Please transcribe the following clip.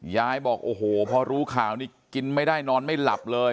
ยายบอกโอ้โหพอรู้ข่าวนี่กินไม่ได้นอนไม่หลับเลย